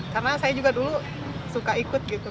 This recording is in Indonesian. karena saya juga dulu suka ikut gitu